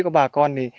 của bà con